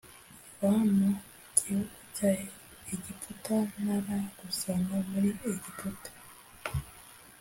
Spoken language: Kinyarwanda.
va mu gihugu cya Egiputa ntaragusanga muri Egiputa